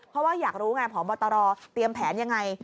เพราะว่าอยากรู้ไงพบตรเตรียมแผนยังไง